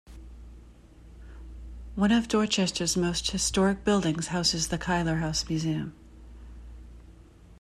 One of Dorchester's most historic buildings houses the Keillor House Museum.